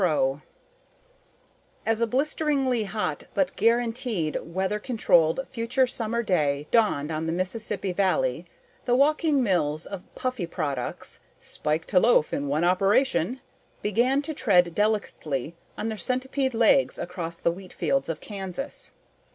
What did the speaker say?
_ Illustrated by WOOD As a blisteringly hot but guaranteed weather controlled future summer day dawned on the Mississippi Valley, the walking mills of Puffy Products ("Spike to Loaf in One Operation!") began to tread delicately on their centipede legs across the wheat fields of Kansas.